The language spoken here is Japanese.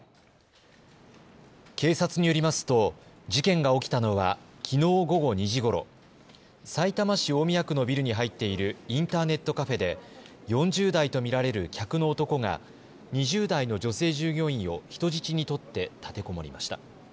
警察によりますと事件が起きたのはきのう午後２時ごろさいたま市大宮区のビルに入っているインターネットカフェで４０代と見られる客の男が２０代の女性従業員を人質に取って立てこもりました。